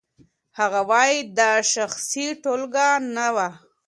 هغه وايي دا شخصي ټولګه نه وه.